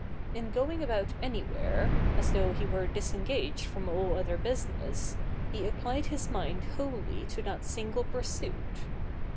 In going about anywhere, as though he were disengaged from all other business, he applied his mind wholly to that single pursuit.